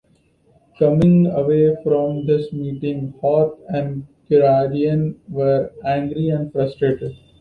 Coming away from this meeting, Hoth and Guderian were angry and frustrated.